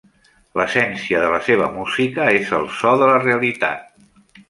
L'essència de la seva música és el so de la realitat.